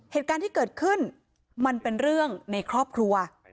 เหตุการณ์ที่เกิดขึ้นมันเป็นเรื่องในครอบครัว